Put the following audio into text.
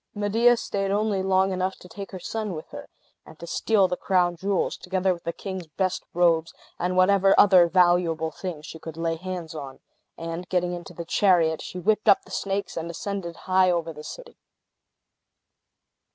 Medea staid only long enough to take her son with her, and to steal the crown jewels, together with the king's best robes, and whatever other valuable things she could lay hands on; and getting into the chariot, she whipped up the snakes, and ascended high over the city.